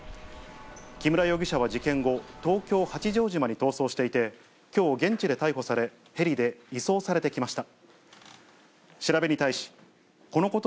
木村容疑者は事件後、東京・八丈島に逃走していて、きょう現地で逮捕され、ヘリで移送されてきました。